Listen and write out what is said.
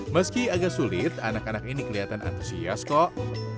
meski agak sulit anak anak ini kelihatan antusias kok